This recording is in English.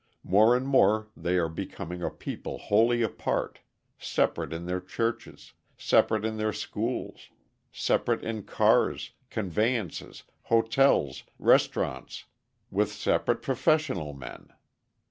More and more they are becoming a people wholly apart separate in their churches, separate in their schools, separate in cars, conveyances, hotels, restaurants, with separate professional men.